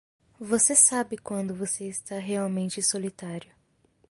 Você sabe quando você está realmente solitário?